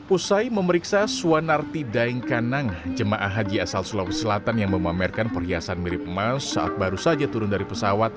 usai memeriksa suwanarti daengkanang jemaah haji asal sulawesi selatan yang memamerkan perhiasan mirip emas saat baru saja turun dari pesawat